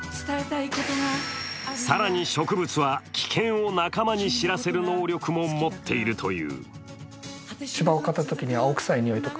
更に植物は、危険を仲間に知らせる能力も持っているという。